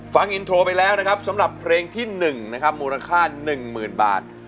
ฟังอินโทรไปแล้วนะครับสำหรับเพลงที่๑นะครับมูลค่า๑๐๐๐บาท